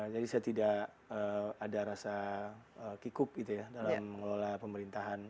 jadi saya tidak ada rasa kikup gitu ya dalam mengelola pemerintahan